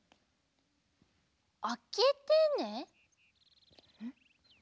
「あけてね」？